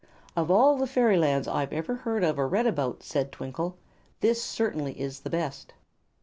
"Of all the fairylands I've ever heard of or read about," said Twinkle, "this certainly is the best."